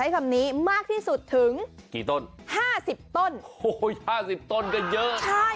๕๐ต้น๕๐ต้นก็เยอะ